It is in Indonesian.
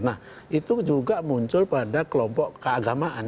nah itu juga muncul pada kelompok keagamaan